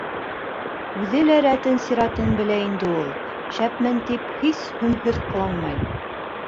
Үҙе лә рәтен-сиратын белә инде ул: шәпмен тип, һис һөмһөҙ ҡыланмай.